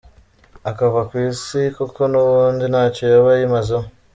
Akava ku isi kuko n’ubundi ntacyo yaba ayimazeho.